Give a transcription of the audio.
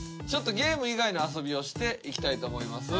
ゲーム以外の遊びをしていきたいと思います。